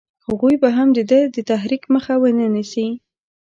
هغوی به هم د ده د تحریک مخه ونه نیسي.